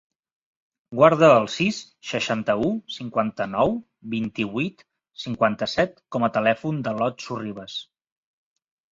Guarda el sis, seixanta-u, cinquanta-nou, vint-i-vuit, cinquanta-set com a telèfon de l'Ot Sorribas.